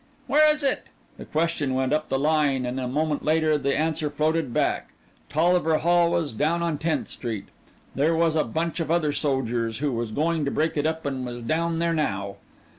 "Where is it?" The question went up the line and a moment later the answer floated hack. Tolliver Hall was down on Tenth Street. There was a bunch of other sojers who was goin' to break it up and was down there now!